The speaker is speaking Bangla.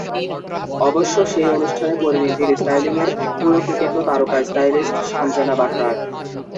অবশ্য সেই অনুষ্ঠানে পরিনীতির স্টাইলিংয়ের পুরো কৃতিত্ব তারকা স্টাইলিস্ট সানজানা বাটরার।